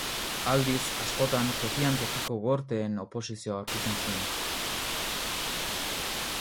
Aldiz, askotan tokian tokiko gorteen oposizioa aurkitzen zuen.